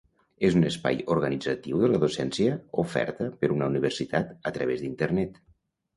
És un espai organitzatiu de la docència oferta per una universitat a través d'Internet.